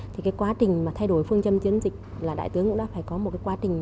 thì cái quá trình mà thay đổi phương châm chiến dịch là đại tướng cũng đã phải có một cái quá trình